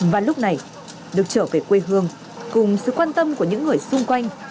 và lúc này được trở về quê hương cùng sự quan tâm của những người xung quanh